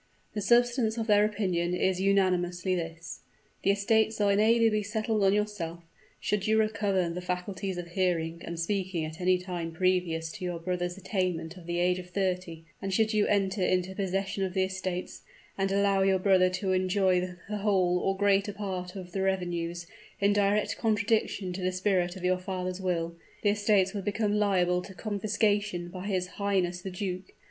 The substance of their opinion is unanimously this: The estates are inalienably settled on yourself, should you recover the faculties of hearing and speaking at any time previous to your brother's attainment of the age of thirty; and should you enter into possession of the estates, and allow your brother to enjoy the whole or greater part of the revenues, in direct contradiction to the spirit of your father's will, the estates would become liable to confiscation by his highness the duke.